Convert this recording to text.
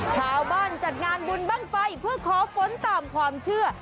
ชาวบ้านจัดงานบุญบ้างไฟเพื่อขอฝนตามความเชื่อ